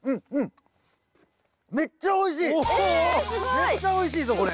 めっちゃおいしいぞこれ。